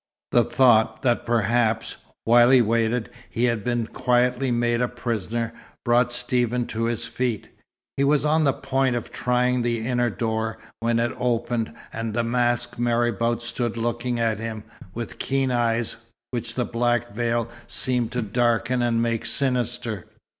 The thought that perhaps, while he waited, he had been quietly made a prisoner, brought Stephen to his feet. He was on the point of trying the inner door, when it opened, and the masked marabout stood looking at him, with keen eyes which the black veil seemed to darken and make sinister.